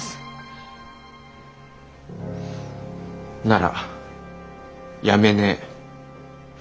なら辞めねえ。